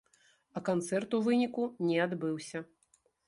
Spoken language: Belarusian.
А канцэрт у выніку не адбыўся.